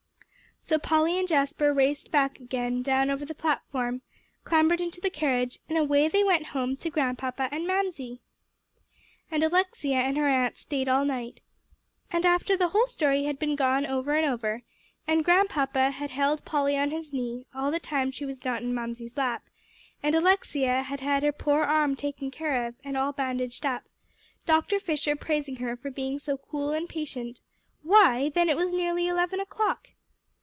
So Polly and Jasper raced back again down over the platform, clambered into the carriage, and away they went home to Grandpapa and Mamsie! And Alexia and her aunt staid all night. And after the whole story had been gone over and over, and Grandpapa had held Polly on his knee, all the time she was not in Mamsie's lap, and Alexia had had her poor arm taken care of, and all bandaged up, Dr. Fisher praising her for being so cool and patient, why then it was nearly eleven o'clock.